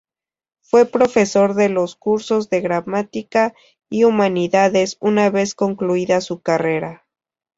Fue profesor de los cursos de Gramática y humanidades una vez concluida su carrera.